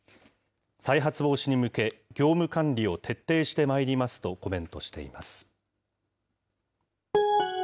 再発防止に向け、業務管理を徹底してまいりますとコメントしています。